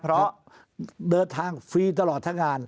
เพราะเดินทางฟรีตลอดทั้งงาน